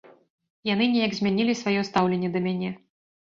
Яны неяк змянілі сваё стаўленне да мяне.